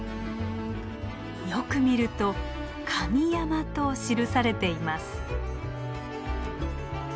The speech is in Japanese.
よく見ると「神山」と記されています。